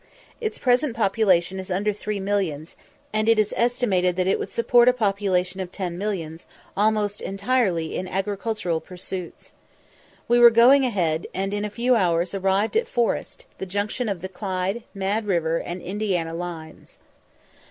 Its present population is under three millions, and it is estimated that it would support a population of ten millions, almost entirely in agricultural pursuits. We were going a head, and in a few hours arrived at Forest, the junction of the Clyde, Mad River, and Indiana lines.